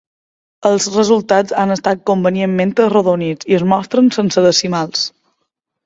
Els resultats han estat convenientment arrodonits i es mostren sense decimals.